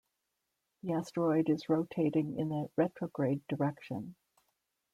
The asteroid is rotating in a retrograde direction.